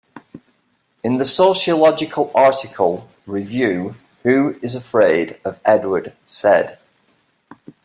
In the sociological article, Review: Who is Afraid of Edward Said?